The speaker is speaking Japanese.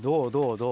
どう？